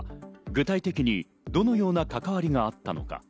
具体的にどのような関わりがあったのか。